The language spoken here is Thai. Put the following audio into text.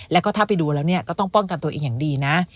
แล้วก็ถ้าไปดูแล้วก็ต้องป้องกันตัวเองอย่างดีนะ